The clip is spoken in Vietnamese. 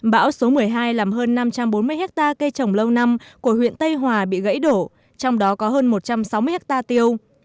bão số một mươi hai làm hơn năm trăm bốn mươi hectare cây trồng lâu năm của huyện tây hòa bị gãy đổ trong đó có hơn một trăm sáu mươi hectare tiêu